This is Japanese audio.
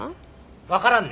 分からんね！